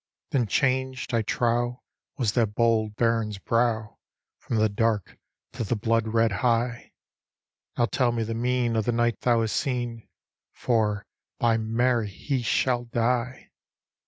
Then changed, I trow, was that bold Baron's brow. From the dark to the blood red high; " Now tell me the mien of the knight thou hast seen, For, by Mary, he shall die!"